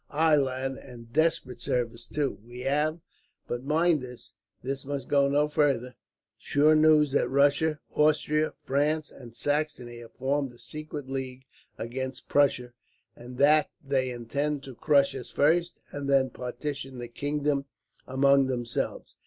"Aye, lad, and desperate service, too. We have but mind, this must go no further sure news that Russia, Austria, France, and Saxony have formed a secret league against Prussia, and that they intend to crush us first, and then partition the kingdom among themselves.